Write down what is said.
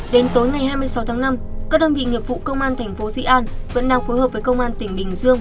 đến tối ngày hai mươi sáu tháng năm các đơn vị nghiệp vụ công an tp di an vẫn đang phối hợp với công an tỉnh bình dương